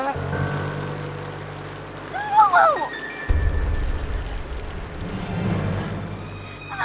wulan itu semua karena nyokap lo yang minta